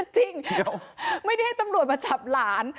จริงแล้วไม่ได้ให้ตำรวจมาจับหลาน